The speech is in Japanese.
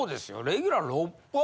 レギュラー６本？